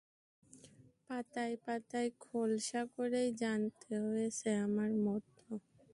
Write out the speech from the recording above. পাতায় পাতায় খোলসা করেই জানাতে হয়েছে আমার মত।